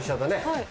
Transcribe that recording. はい。